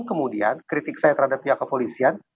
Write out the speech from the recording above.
kemudian kritik saya terhadap pihak kepolisian